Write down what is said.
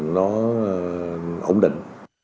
nó ổn định